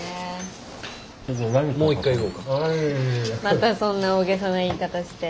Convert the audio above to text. またそんな大げさな言い方して。